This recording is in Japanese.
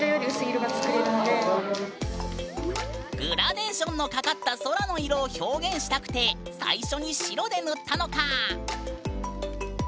グラデーションのかかった空の色を表現したくて最初に白で塗ったのか。